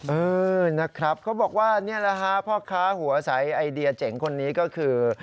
เออนะครับเขาบอกว่านี่แหละฮะพ่อค้าหัวใสไอเดียเจ๋งคนนี้ก็คือ